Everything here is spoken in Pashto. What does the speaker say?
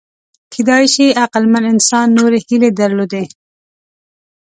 کېدای شي عقلمن انسان نورې هیلې درلودې.